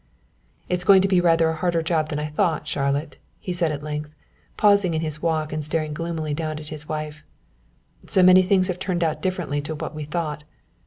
"It's going to be rather a harder job than I thought, Charlotte," he said at length, pausing in his walk and staring gloomily down at his wife, "so many things have turned out differently to what we thought.